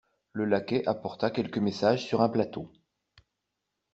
Le laquais apporta quelques messages sur un plateau.